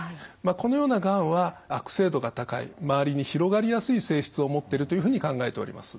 このようながんは悪性度が高い周りに広がりやすい性質を持ってるというふうに考えております。